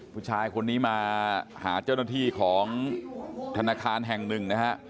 ผู้ชายคนนี้มาหาเจ้าหน้าที่ของธนาคารแห่งหนึ่งนะฮะ